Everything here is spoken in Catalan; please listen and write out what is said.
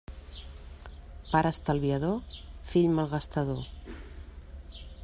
Pare estalviador: fill malgastador.